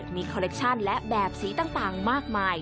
มีคอเล็กชั่นและแบบสีต่างมากมาย